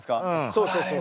そうそうそう。